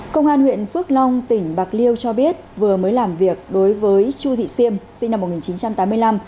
công an huyện phước long tỉnh bạc liêu cho biết vừa mới làm việc đối với chu thị siêm sinh năm một nghìn chín trăm tám mươi năm